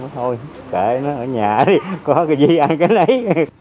thôi kệ nó ở nhà đi có cái gì ăn cái đấy